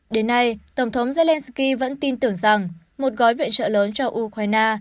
đến nay tổng thống zelenskyy vẫn tin tưởng rằng một gói viện trợ lớn cho ukraine